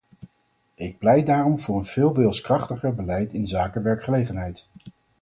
Ik pleit daarom voor een veel wilskrachtiger beleid inzake werkgelegenheid.